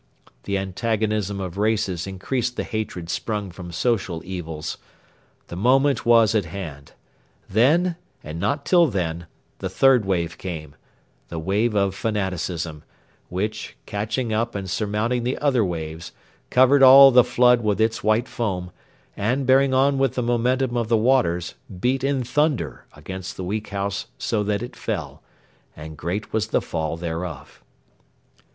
The antagonism of races increased the hatred sprung from social evils. The moment was at hand. Then, and not till then, the third wave came the wave of fanaticism, which, catching up and surmounting the other waves, covered all the flood with its white foam, and, bearing on with the momentum of the waters, beat in thunder against the weak house so that it fell; and great was the fall thereof.